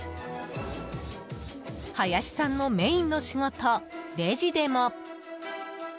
林さんのメインの仕事、レジでも。